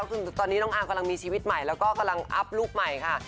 คือตอนนี้น้องอาร์มกำลังมีชีวิตใหม่แล้วก็กำลังอัพลูกใหม่ค่ะ